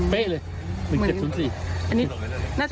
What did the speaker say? เป๊ะเลย๑๗๐๔